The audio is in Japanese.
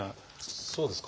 そうですか？